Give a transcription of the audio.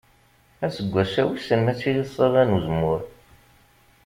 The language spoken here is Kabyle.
Aseggas-a, wissen ma ad tili ṣṣaba n uzemmur?